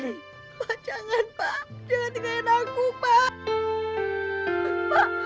pak jangan pak jangan tinggalkan aku pak